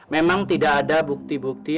memang tidak ada bukti bukti